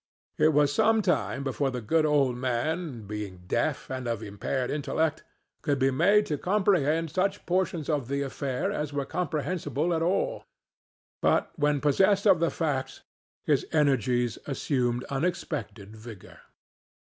It was some time before the good old man, being deaf and of impaired intellect, could be made to comprehend such portions of the affair as were comprehensible at all. But when possessed of the facts, his energies assumed unexpected vigor.